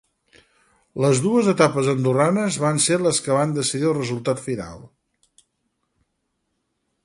Les dues etapes andorranes van ser les que van decidir el resultat final.